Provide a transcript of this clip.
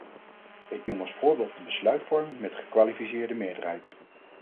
Ik noem als voorbeeld de besluitvorming met gekwalificeerde meerderheid.